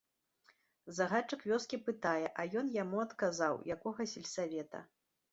Загадчык вёскі пытае, а ён яму адказаў, якога сельсавета.